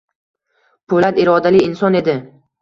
Po‘lat irodali inson edi